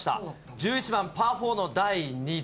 １１番パー４の第２打。